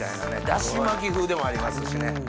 出汁巻き風でもありますしね。